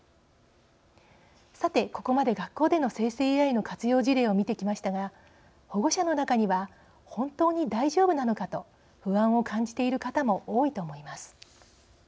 さてここまで学校での生成ＡＩの活用事例を見てきましたが保護者の中には本当に大丈夫なのかと不安を感じている方も多いと思います。